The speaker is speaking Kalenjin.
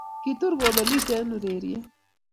kitur kobelis eng ureriet